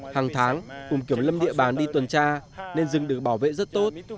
hàng tháng cùng kiểm lâm địa bàn đi tuần tra nên rừng được bảo vệ rất tốt